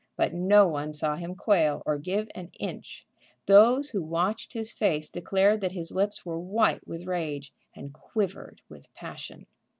But no one saw him quail or give an inch. Those who watched his face declared that his lips were white with rage and quivered with passion.